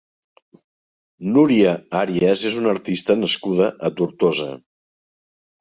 Núria Arias és una artista nascuda a Tortosa.